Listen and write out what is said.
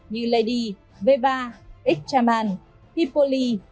như lady v ba x chaman hippoly